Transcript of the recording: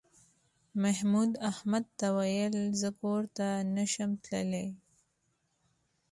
محمود احمد ته وویل زه کور ته نه شم تللی.